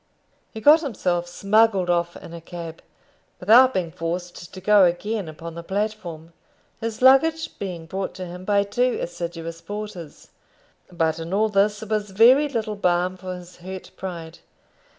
He got himself smuggled off in a cab, without being forced to go again upon the platform his luggage being brought to him by two assiduous porters. But in all this there was very little balm for his hurt pride.